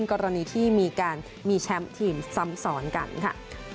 กรณีที่มีการมีแชมป์ทีมซ้ำซ้อนกันค่ะ